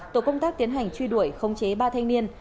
tổ công tác tiến hành truy đuổi khống chế ba thanh niên